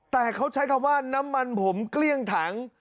แต่เขาใช้คำว่าน้ำมันผมเกลี้ยงถัง